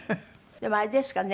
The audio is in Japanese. でもあれですかね